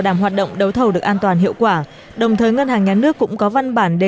đảm hoạt động đấu thầu được an toàn hiệu quả đồng thời ngân hàng nhà nước cũng có văn bản đề